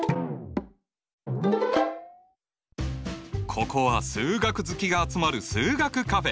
ここは数学好きが集まる数学カフェ。